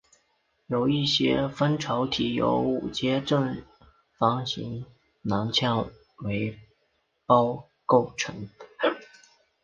有一些蜂巢体由五阶正方形镶嵌为胞构成